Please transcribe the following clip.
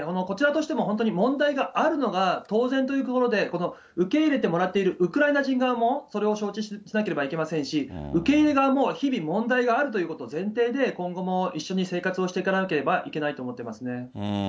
こちらとしても、本当に問題があるのが当然というところで、受け入れてもらっているウクライナ人側も、それを承知しなければいけませんし、受け入れ側も日々、問題があるということを前提で、今後も一緒に生活をしていかなければいけないと思っていますね。